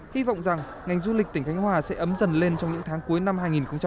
hy vọng rằng ngành du lịch tỉnh khánh hòa sẽ ấm dần lên trong những tháng cuối năm hai nghìn hai mươi